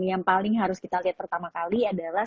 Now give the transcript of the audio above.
yang paling harus kita lihat pertama kali adalah